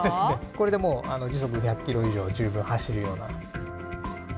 これで時速１００キロ以上、十分走るような。